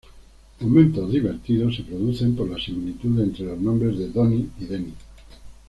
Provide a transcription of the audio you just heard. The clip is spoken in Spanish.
Momentos divertidos se producen por la similitud entre los nombres de Donny y Denny.